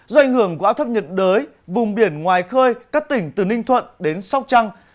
do ảnh hưởng của áp thấp nhiệt đới vùng biển ngoài khơi các tỉnh từ ninh thuận đến sóc trăng